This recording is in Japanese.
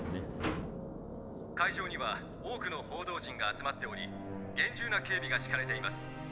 「会場には多くの報道陣が集まっており厳重な警備がしかれています。